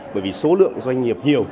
bởi vì số lượng doanh nghiệp nhiều